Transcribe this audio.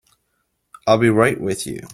I'll be right with you.